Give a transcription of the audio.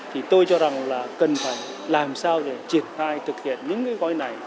thì tôi cho rằng là cần phải làm sao để triển khai thực hiện những cái gói này